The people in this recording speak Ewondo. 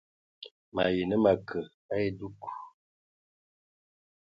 Mayi nə ma kə a edug.